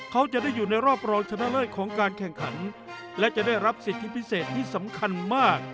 เขาจะได้อยู่ในรอบรองชนะเลิศของการแข่งขันและจะได้รับสิทธิพิเศษที่สำคัญมาก